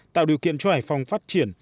tạo điều kiện cho hải phòng phát triển